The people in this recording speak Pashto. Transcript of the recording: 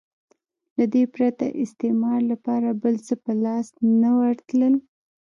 له دې پرته استعمار لپاره بل څه په لاس نه ورتلل.